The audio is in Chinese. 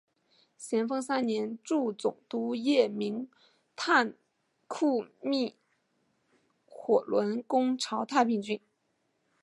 咸丰三年助总督叶名琛雇觅火轮攻剿太平军。